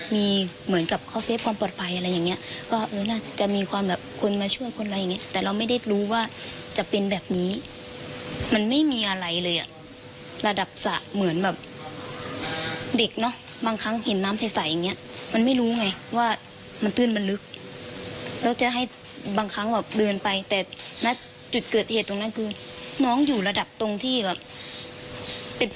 มีเหมือนกับเขาเฟฟความปลอดภัยอะไรอย่างเงี้ยก็เออน่าจะมีความแบบคนมาช่วยคนอะไรอย่างเงี้แต่เราไม่ได้รู้ว่าจะเป็นแบบนี้มันไม่มีอะไรเลยอ่ะระดับสระเหมือนแบบเด็กเนอะบางครั้งเห็นน้ำใสอย่างเงี้ยมันไม่รู้ไงว่ามันตื้นมันลึกแล้วจะให้บางครั้งแบบเดินไปแต่ณจุดเกิดเหตุตรงนั้นคือน้องอยู่ระดับตรงที่แบบเป็น